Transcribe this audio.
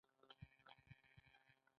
آیا کاناډا د ودانیو شرکتونه نلري؟